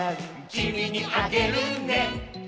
「きみにあげるね」